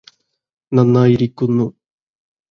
നന്നായിരിക്കുന്നു